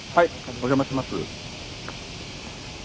お邪魔します。